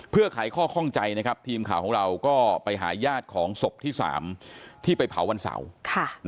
เพื่อขายข้อข้องใจนะครับทีมข่าวของเราก็ไปหาญาติของศพที่๓ที่ไปเผาวันเสาร์